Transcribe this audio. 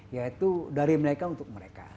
yaitu dari mereka untuk mereka